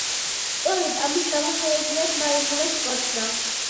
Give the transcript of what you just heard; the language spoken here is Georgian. სწორედ ამის გამო შეუძლიათ მაიმუნებს კოცნა.